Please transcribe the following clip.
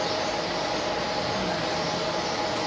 สุดท้ายสุดท้าย